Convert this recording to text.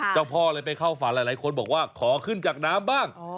เจ้าพ่อเลยไปเข้าฝันหลายคนบอกว่าขอขึ้นจากน้ำบ้าง